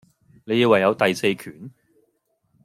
你以為有第四權?